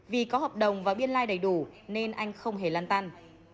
vì có hợp đồng và biên lai đầy đủ nên anh không hề lan tan